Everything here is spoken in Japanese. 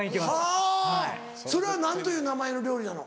はぁそれは何という名前の料理なの？